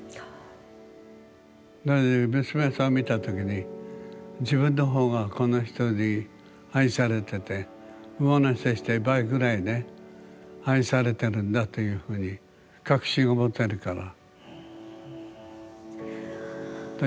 なので娘さんを見た時に自分の方がこの人に愛されてて上乗せして倍ぐらいね愛されてるんだというふうに確信を持てるから。